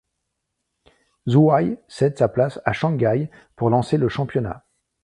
Zhuhai cède sa place à Shanghai pour lancer le championnat.